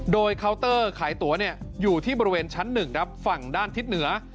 โดยเคาน์เตอร์ขายตัวอยู่ที่บริเวณชั้น๑ครับฝั่งด้านทิศเหนือ